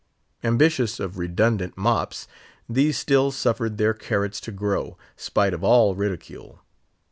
Ambitious of redundant mops, these still suffered their carrots to grow, spite of all ridicule.